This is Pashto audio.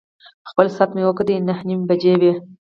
خپل ساعت مې وکتل، نهه نیمې بجې وې.